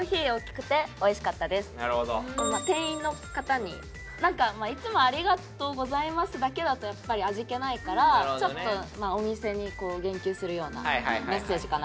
店員の方に「いつもありがとうございます」だけだとやっぱり味気ないからちょっとお店に言及するようなメッセージかな。